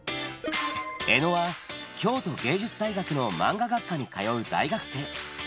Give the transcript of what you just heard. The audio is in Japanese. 江野は、京都芸術大学のマンガ学科に通う大学生。